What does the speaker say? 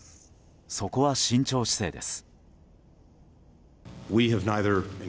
そこは慎重姿勢です。